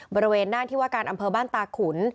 บริเวณหน้าที่ว่าการอำเภอบ้านตาขุน